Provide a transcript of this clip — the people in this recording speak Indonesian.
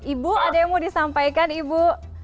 ibu ada yang mau disampaikan ibu